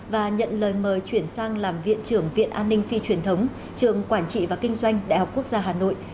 và nhận lời mời chuyển sang làm viện trưởng viện an ninh phi truyền thống trường quản trị và kinh doanh đại học quốc gia hà nội